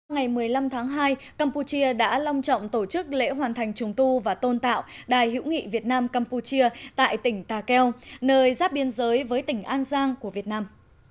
ngày một mươi năm tháng hai campuchia đã long trọng tổ chức lễ hoàn thành trùng tu và tôn tạo đài hữu nghị việt nam campuchia tại tỉnh ta keo nơi giáp biên giới với tỉnh an giang của việt nam